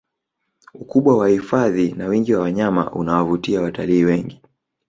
ukubwa wa hifadhi na wingi wa wanyama unawavutia watalii wengi